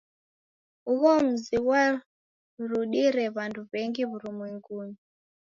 Ugho muzi ghwarudire w'andu w'engi w'urumwengunyi.